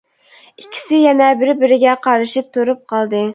ئىككىسى يەنە بىر-بىرىگە قارىشىپ تۇرۇپ قالدى.